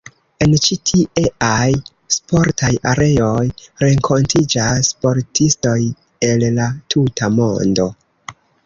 En ĉi tieaj sportaj areoj renkontiĝas sportistoj el la tuta mondo.